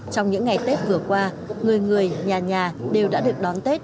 trong những ngày tết vừa qua người người nhà nhà đều đã được đón tết